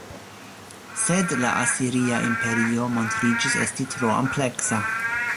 Sed la asiria imperio montriĝis esti tro ampleksa.